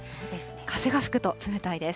風が吹くと冷たいです。